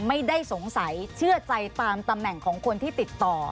ไม่ได้สงสัยเชื่อใจตามตำแหน่งของคนที่ติดต่อ